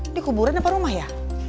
ini kuburan apa rumah ya